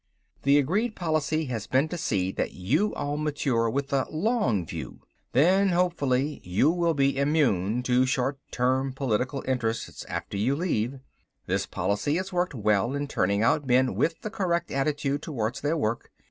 The agreed policy has been to see that you all mature with the long view. Then hopefully you will be immune to short term political interests after you leave. "This policy has worked well in turning out men with the correct attitude towards their work.